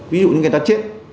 ví dụ như người ta chết